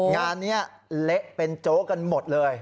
งานนี้เละเป็นโจ๊กกันหมดเลย